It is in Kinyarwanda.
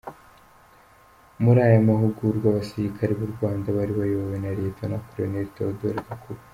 Muri aya mahugururwa abasirikare b’u Rwanda bari bayobowe na Lt Col Theodore Gakuba.